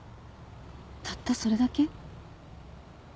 たったそれだけ？